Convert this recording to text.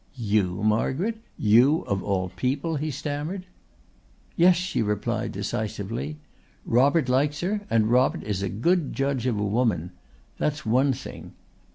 "You, Margaret you of all people!" he stammered. "Yes," she replied decisively. "Robert likes her and Robert is a good judge of a woman. That's one thing.